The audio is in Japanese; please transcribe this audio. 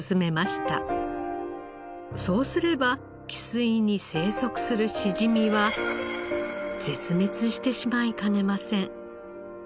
そうすれば汽水に生息するしじみは絶滅してしまいかねません。